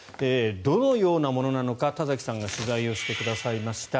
どのようなものなのか田崎さんが取材をしてくださいました。